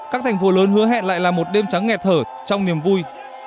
các thành phố lớn hứa hẹn lại là một đêm trắng nghẹt thở trong niềm vui